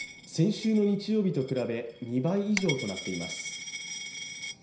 先週の日曜日と比べ、２倍以上となっています。